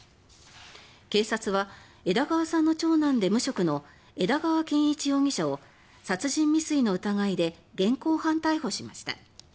警察は枝川さんの長男で無職の枝川健一容疑者を殺人未遂の疑いで現行犯逮捕しました。